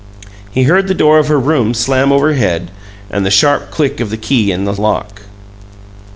He heard the door of her room slam overhead, and the sharp click of the key in the lock.